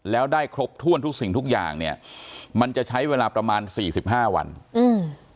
แล้วได้ครบถ้วนทุกสิ่งทุกอย่างเนี้ยมันจะใช้เวลาประมาณสี่สิบห้าวันอืม